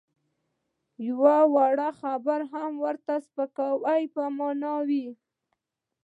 یوه وړه خبره هم ورته د سپکاوي په مانا وي.